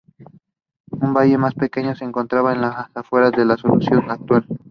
Un valle más pequeño se encuentra en las afueras de la solución actual.